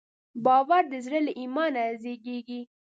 باور د زړه له ایمان زېږېږي.